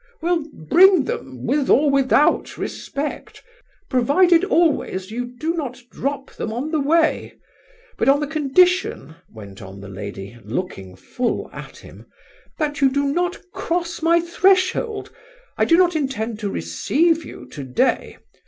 "Well, bring them, with or without respect, provided always you do not drop them on the way; but on the condition," went on the lady, looking full at him, "that you do not cross my threshold. I do not intend to receive you today.